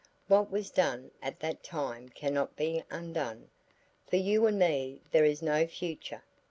"What was done at that time cannot be undone. For you and me there is no future.